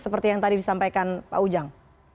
seperti yang tadi disampaikan pak ujang